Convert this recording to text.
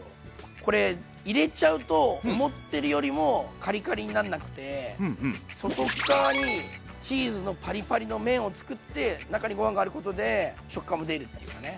これ入れちゃうと思ってるよりもカリカリになんなくて外っ側にチーズのパリパリの面をつくって中にご飯があることで食感も出るっていうかね。